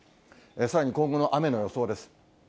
さらに今後の雨の予想です。